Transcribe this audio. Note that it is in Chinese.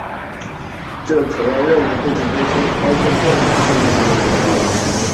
这可让任务控制中心操控电视摄像机。